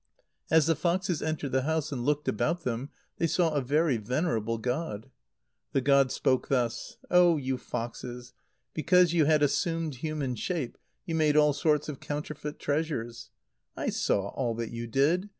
As the foxes entered the house and looked about them, they saw a very venerable god. The god spoke thus: "Oh! you foxes; because you had assumed human shape, you made all sorts of counterfeit treasures. I saw all that you did.